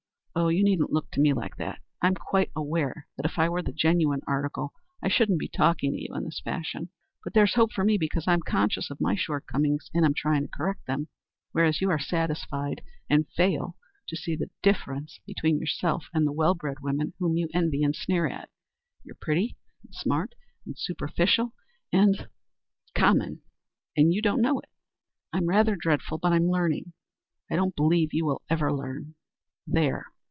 Oh, you needn't look at me like that. I'm quite aware that if I were the genuine article I shouldn't be talking to you in this fashion. But there's hope for me because I'm conscious of my shortcomings and am trying to correct them; whereas you are satisfied, and fail to see the difference between yourself and the well bred women whom you envy and sneer at. You're pretty and smart and superficial and er common, and you don't know it. I'm rather dreadful, but I'm learning. I don't believe you will ever learn. There!